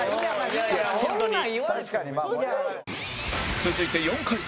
続いて４回戦